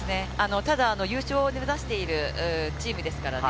優勝を目指しているチームですからね。